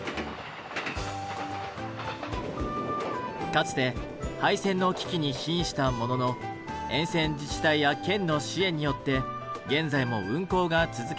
かつて廃線の危機に瀕したものの沿線自治体や県の支援によって現在も運行が続けられています。